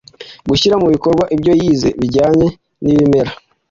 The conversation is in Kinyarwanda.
-gushyira mu bikorwa ibyo yize bijyanye n’ibimera,